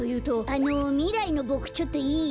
あのみらいのボクちょっといい？